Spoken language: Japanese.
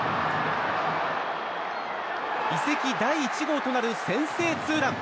移籍第１号となる先制ツーラン。